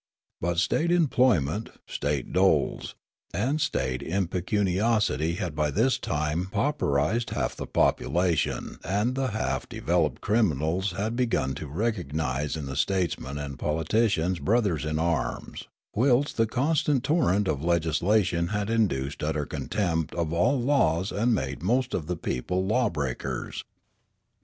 But state employment, state doles, and state impecuni osity had by this time pauperised half the population, and the half developed criminals had begun to recognise in the statesmen and politicians brothers in arms, whilst the constant torrent of legislation had induced utter contempt of all laws and made most of the people law breakers.